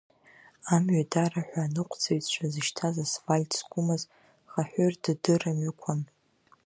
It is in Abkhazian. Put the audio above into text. Амҩадара ҳәа аныҟәцаҩцәа зышьҭаз асфальт зқәымыз, хаҳәырдыдыра мҩақәан.